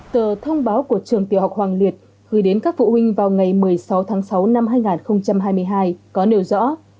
tờ thông báo của trường tiểu học hoàng liệt gửi đến các phụ huynh vào ngày một mươi sáu tháng sáu năm hai nghìn hai mươi hai có nêu rõ